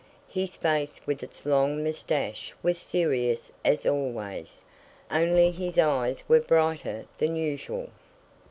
His face with its long mustache was serious as always, only his eyes were brighter than usual.